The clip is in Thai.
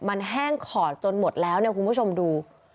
มันแห้งขอดจนหมดแล้วเนี่ยคุณผู้ชมดู